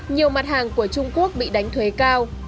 nhiều mặt hàng của trung quốc bị đánh thuế cao